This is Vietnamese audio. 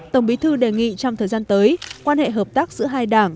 tổng bí thư đề nghị trong thời gian tới quan hệ hợp tác giữa hai đảng